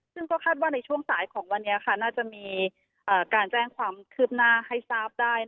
ซึ่งก็คาดว่าในช่วงสายของวันนี้น่าจะมีการแจ้งความคืบหน้าให้ทราบได้